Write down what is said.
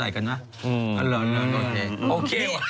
ให้โชคสวัสดิ์กันนะอร่อยโอเค